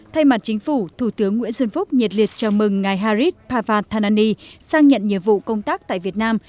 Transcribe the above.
thay mặt chính phủ thủ tướng nguyễn xuân phúc nhiệt liệt chào mừng ngài harris panani sang nhận nhiệm vụ công tác tại việt nam